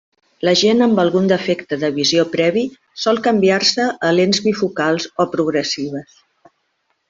La gent amb algun defecte de visió previ sol canviar-se a lents bifocals o progressives.